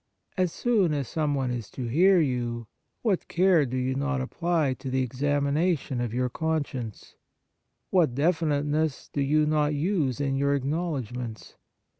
As soon as some one is to hear you, what care do you not apply to the examination of your 94 The Sacrament of Penance conscience ! What definiteness do you not use in your acknowledg ments